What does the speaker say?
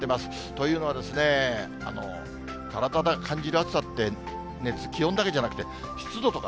というのは、体で感じる暑さって、気温だけじゃなくて、湿度とか、